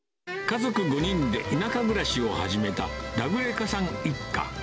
家族５人で田舎暮らしを始めたラグレカさん一家。